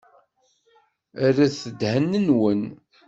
Rret ddhen-nwen!